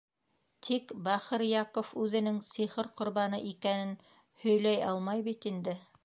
Тик бахыр Яков үҙенең сихыр ҡорбаны икәнен һөйләй алмай бит инде.